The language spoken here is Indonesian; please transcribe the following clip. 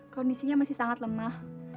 kondisinya masih sangat lemah